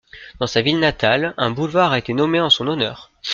Dans sa ville natale, un boulevard a été nommé en son honneur.